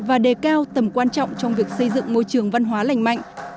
và đề cao tầm quan trọng trong việc xây dựng môi trường văn hóa lành mạnh